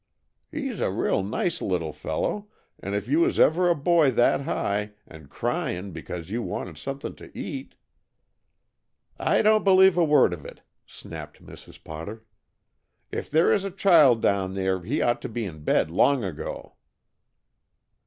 "He's a real nice little fellow, and if you was ever a boy that high, and crying because you wanted something to eat " "I don't believe a word of it!" snapped Mrs. Potter. "If there is a child down there he ought to be in bed long ago."